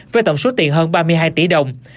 với tổng số tiền hơn ba mươi hai tỷ đồng